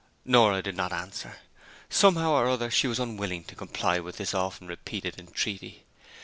Nora did not answer: somehow or other she was unwilling to comply with this often repeated entreaty.